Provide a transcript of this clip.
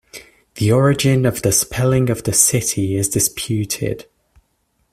The origin of the spelling of the City is disputed.